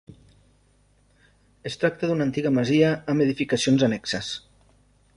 Es tracta d'una antiga masia amb edificacions annexes.